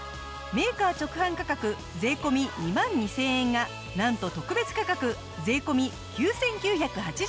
メーカー直販価格税込２万２０００円がなんと特別価格税込９９８０円。